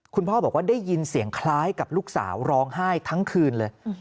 คุณพ่อบอกว่าได้ยินเสียงคล้ายกับลูกสาวร้องไห้ทั้งคืนเลย